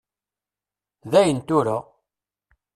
Dayen tura!